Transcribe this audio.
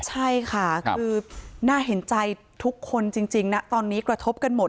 ใช่ค่ะคือน่าเห็นใจทุกคนจริงนะตอนนี้กระทบกันหมด